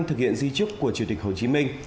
thực hiện di trúc của chủ tịch hồ chí minh